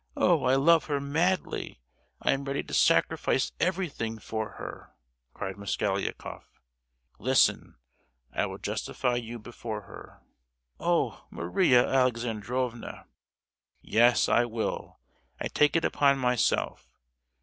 "Oh! I love her madly! I am ready to sacrifice everything for her!" cried Mosgliakoff. "Listen! I will justify you before her." "Oh, Maria Alexandrovna!" "Yes, I will. I take it upon myself!